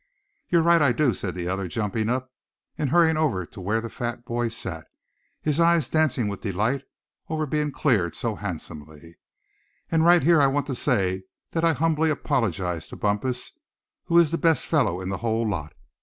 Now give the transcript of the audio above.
"You're right I do," said the other, jumping up, and hurrying over to where the fat boy sat, his eyes dancing with delight over being cleared so handsomely; "and right here I want to say that I humbly apologize to Bumpus, who is the best fellow in the whole lot.